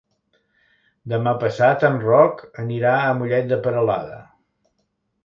Demà passat en Roc anirà a Mollet de Peralada.